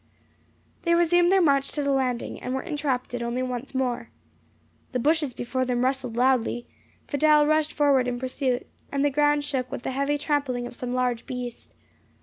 They resumed their march to the landing, and were interrupted only once more. The bushes before them rustled loudly, Fidelle rushed forward in pursuit, and the ground shook with the heavy trampling of some large beast.